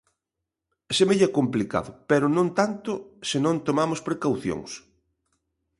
Semella complicado, pero non tanto se non tomamos precaucións.